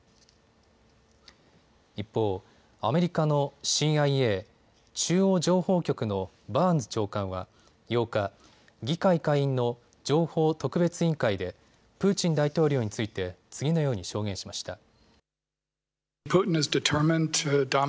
一方、アメリカのＣＩＡ・中央情報局のバーンズ長官は８日、議会下院の情報特別委員会でプーチン大統領について次のように証言しました。